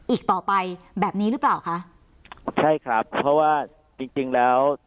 อีกต่อไปแบบนี้หรือเปล่าคะใช่ครับเพราะว่าจริงจริงแล้ว